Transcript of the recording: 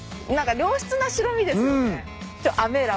何か良質な白身ですよね。